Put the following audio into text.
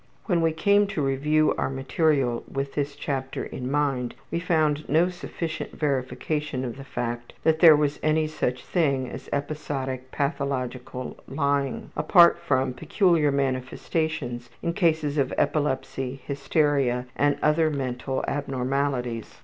When we came to review our material with this chapter in mind we found no sufficient verification of the fact that there was any such thing as episodic pathological lying, apart from peculiar manifestations in cases of epilepsy, hysteria, and other mental abnormalities.